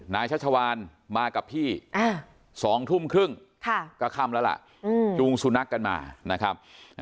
ชัชวานมากับพี่๒ทุ่มครึ่งก็ค่ำแล้วล่ะจูงสุนัขกันมานะครับ